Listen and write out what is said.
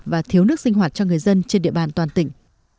và thiếu nước sinh hoạt cho người dân trên địa bàn toàn tỉnh